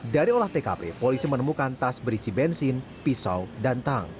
dari olah tkp polisi menemukan tas berisi bensin pisau dan tang